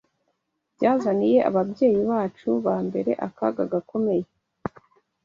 byazaniye ababyeyi bacu ba mbere akaga gakomeye